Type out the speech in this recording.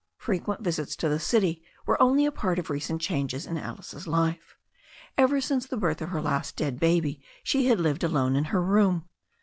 Frequent visits to the city were only a part of recent changes in Alice's life. Ever since the birth of her last dead baby she had lived alone in her room.